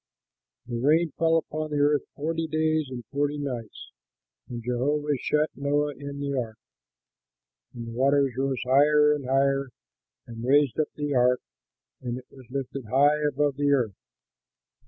The rain fell upon the earth forty days and forty nights, and Jehovah shut Noah in the ark. And the waters rose higher and higher and raised up the ark, and it was lifted high above the earth.